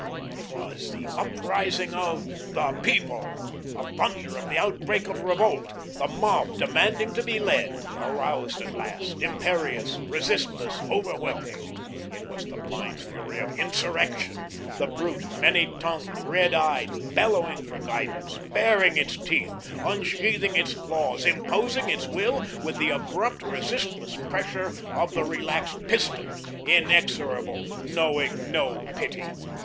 It was the uprising of The People; the thunder of the outbreak of revolt; the mob demanding to be led, aroused at last, imperious, resistless, overwhelming. It was the blind fury of insurrection, the brute, many tongued, red eyed, bellowing for guidance, baring its teeth, unsheathing its claws, imposing its will with the abrupt, resistless pressure of the relaxed piston, inexorable, knowing no pity.